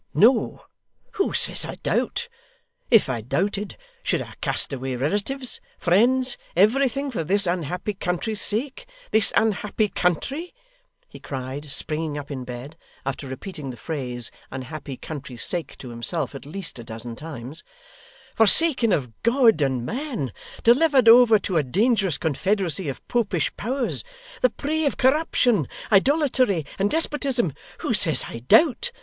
No. Who says I doubt? If I doubted, should I cast away relatives, friends, everything, for this unhappy country's sake; this unhappy country,' he cried, springing up in bed, after repeating the phrase 'unhappy country's sake' to himself, at least a dozen times, 'forsaken of God and man, delivered over to a dangerous confederacy of Popish powers; the prey of corruption, idolatry, and despotism! Who says I doubt?